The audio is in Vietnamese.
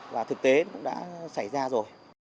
và thực tế cũng đã xảy ra rồi